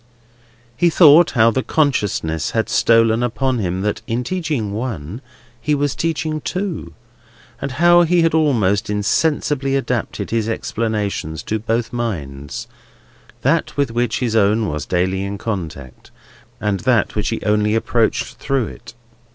He thought how the consciousness had stolen upon him that in teaching one, he was teaching two; and how he had almost insensibly adapted his explanations to both minds—that with which his own was daily in contact, and that which he only approached through it.